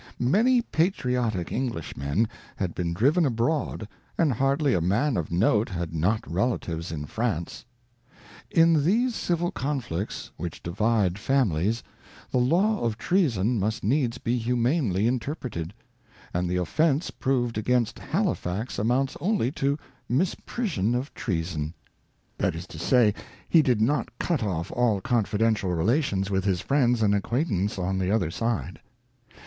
Many patriotic Englishmen had been driven abroad, and hardly a man of note had not relatives in France. In these civil conflicts, which divide families, the law of treason must needs be humanely interpreted ; and the offence proved against Halifax amounts only to mis prision of treason ; that is to say, he did not cut off all confidential relations with his friends and acquaintance on the other side.